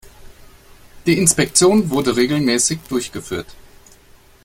Die Inspektion wurde regelmäßig durchgeführt.